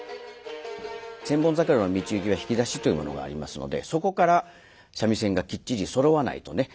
「千本桜」の「道行」は弾き出しというものがありますのでそこから三味線がきっちりそろわないとね